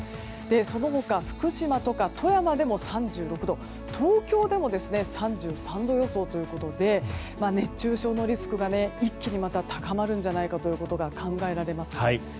その他、福島とか富山でも３６度東京でも３３度予想ということで熱中症のリスクが一気に高まるんじゃないかということが考えられます。